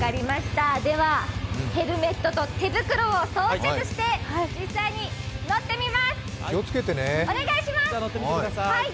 では、ヘルメットと手袋を装着して実際に乗ってみます、お願いします！